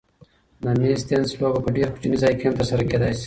د مېز تېنس لوبه په ډېر کوچني ځای کې هم ترسره کېدای شي.